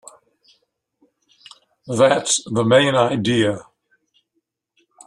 That's the main idea.